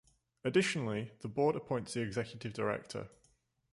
Additionally, the Board appoints the Executive Director.